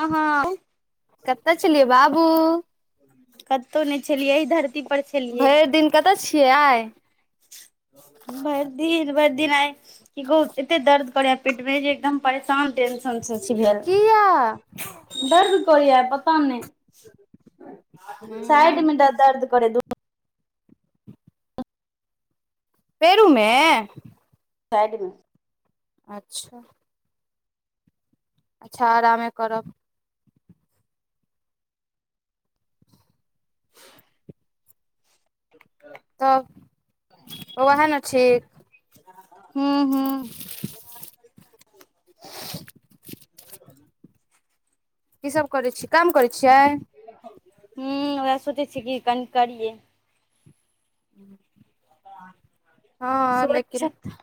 आहाँ कतय छलियै बाबू कतहु नहि छलियै एहिही धरती पर छलियै भरि दिन कतऽ छियै आए भरि दिन भरि दिन आए कि कहु एते दर्द करैया पेट मे जे एकदम परेशान टेंशन से छी भेल किया दर्द करैया पता नहि हूँ साइड मे द दर्द करै दू पेरु मे साइडमे अच्छा अच्छा आरामे करब तऽ ओ वह‌ए न ठीक हू क सब करै छीय काम करै छियै हू ओहा सोचै छियै कि कनि करियै ह्म [inaudible] सोचत [unintelligible]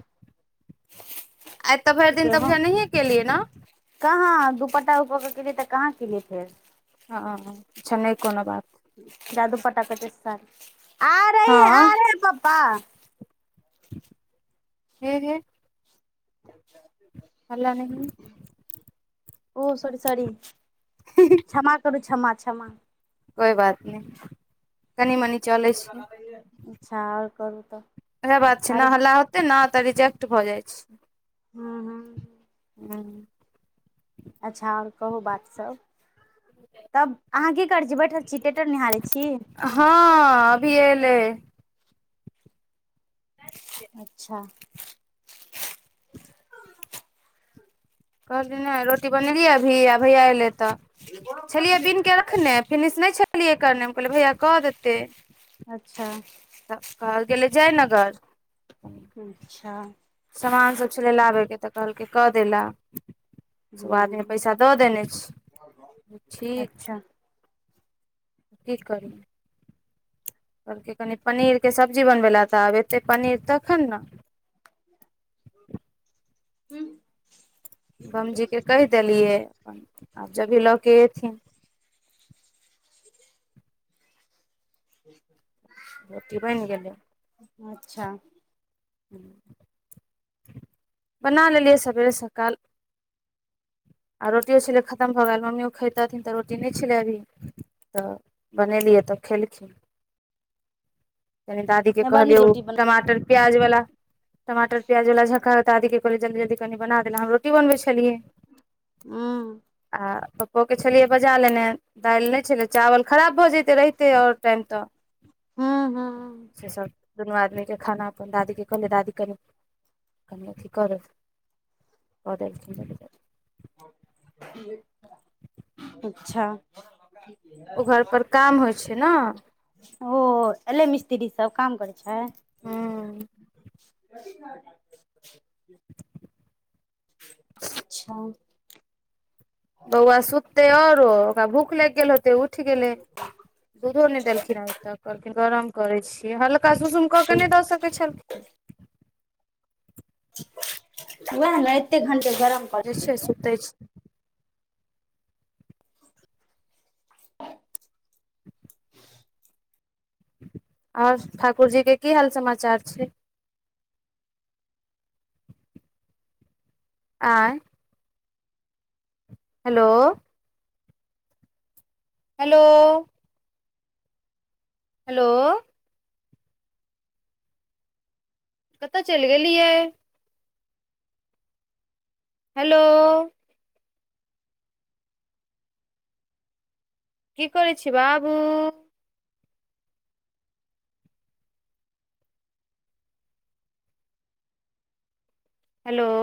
आइ तऽ भरि की दिन तऽ कहू बुझाय नहिये केलियै ना कहाँ दुपट्टा ऊपर के केलियै तऽ कहाँ केलियै फेर हँ छेन्नइ कोनो बात जाादू पटा केट सन आर हाँ पापा हे हे [inaudible] अयल नहि ओ सरी सॉरी क्षमा करू क्षमा क्षमा कोइ बात नहि कनि मनी चलै छै अच्छा आओर करू तऽ आरो नहि तऽ रिजेक्ट भऽ जाइ छै हूँ हूँ हूँ अच्छा और कहू बात सब तब अहाँ की करै छी बैठल च टेटर निहारै छि हँ अभी एलै अच्छा कहलियी ने रोटी बनेलियै अभी आ भैया एयलै तऽ छलियै बीन के रखने फिनिश नहि छलियै करने हम कहलियै भैया कऽ देतै अच्छा तब कहले गेलै जयनगर। अच्छा। सामान सभ छलय लाबयके तऽ कहलकै कऽ देला। सभ आदमी हूँ पैसा दऽ देने छै, अच्छा ठीक। ठीक करू। कहलक कनि पनीरके सब्जी बनबै ला तऽ आब एतै पनीर तखन ने। हू। कम जी के कहि देलियै आब जब भी लऽ के एथिन [inaudible] रोटी बनि गेलै। अच्छा। बना लेलियै सभेरे सकाल आ रोटि छलै खतम भऽ गेल मुम्मी खेइतथिन तऽ रोटी नहि छलै अभी। तऽ बनेलियै तऽ खेलखिन कनि दा। दी के बड़ नीक कहलियौ रोटी बना टमाटर प्याज वाला। टमाटर-प्याज वाला झटका तऽ आधा कऽ कहलियै, जल्दी-जल्दी कऽ बना देलै। हम रोटी बनबै छलियै। हूँ। आ पप्पो के छलियै बजा लेने। दालि नहि छेले चावल खराब भऽ जैतै रहितै और टाइम तऽ हू, हू। से सभ दुनू आदमी के खाना अपन दादी के कहलियै दादी कनि। कि कर कऽ। अच्छा। ओ, घर पर काम होइ छै न। ओ एले मिस्त्री सभ काम करै छै। हँ। [unintelligible] [inaudible] अच्छा। बौआ सुते आरो ओकरा भूख लागि गेल होते उठ। उठि गेलै दूधो नहि देलखिन आबे तक कहलखिन गरम करै छियै हल। का सऽ कुसुम कऽ के नहि दऽ सकैत छलखिन। ओएह ने एते घण्टे गरम। करतै य सुतै छै। [inaudible] और ठाकुर जी के कि हाल समाचार छै। आँ। हेलो। हेलो। हेलो। कतऽ चलि गेलियै। हेलो। कि करै छै बाबू। हेलो।